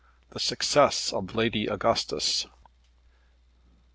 THE SUCCESS OF LADY AUGUSTUS.